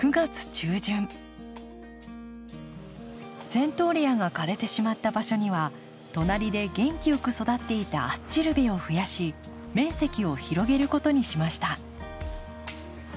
セントーレアが枯れてしまった場所には隣で元気よく育っていたアスチルベを増やし面積を広げることにしました。